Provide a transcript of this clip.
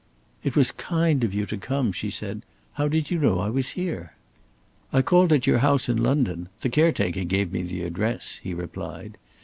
"It was kind of you to come," she said. "How did you know I was here?" "I called at your house in London. The caretaker gave me the address," he replied.